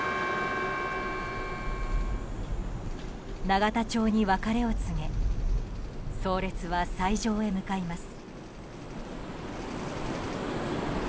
永田町に別れを告げ葬列は斎場へ向かいます。